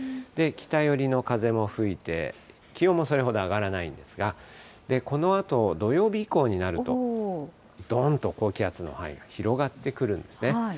北寄りの風も吹いて、気温もそれほど上がらないんですが、このあと、土曜日以降になると、どんと高気圧の範囲が広がってくるんですね。